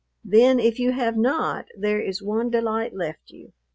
Then if you have not, there is one delight left you.